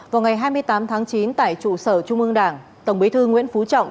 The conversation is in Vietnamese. vào ngày hai mươi tám tháng chín tại trụ sở trung ương đảng tổng bí thư nguyễn phú trọng